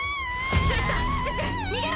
スレッタチュチュ逃げろ！